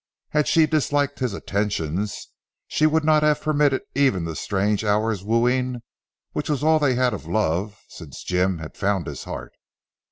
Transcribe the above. Had she disliked his attentions, she would not have permitted even the strange hour's wooing, which was all they had of love, since Jim had found his heart.